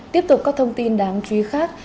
tiếp tục có thông tin đáng chú ý khác